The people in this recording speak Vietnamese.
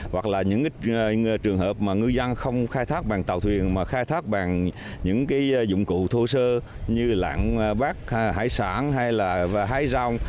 hoặc là những trường hợp mà ngư dân không khai thác bằng tàu thuyền mà khai thác bằng những dụng cụ thô sơ như lạng bát hải sản hay là hái rau